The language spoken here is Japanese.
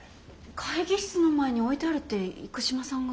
会議室の前に置いてあるって生島さんが。